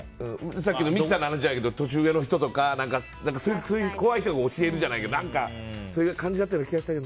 さっきの三木さんの話じゃないけど年上の人とか怖い人が教えるじゃないけどそういう感じだったような気がしたけど。